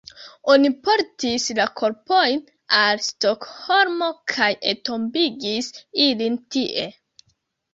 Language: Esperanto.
Oni portis la korpojn al Stokholmo kaj entombigis ilin tie.